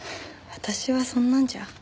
私はそんなんじゃ。